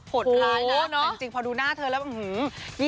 หดร้ายนะแต่จริงพอดูหน้าเธอแล้วอื้อหือ